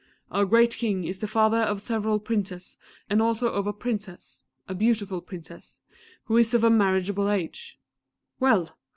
our great King is the father of several Princes, and also of a Princess a beautiful Princess who is of a marriageable age.... _Well!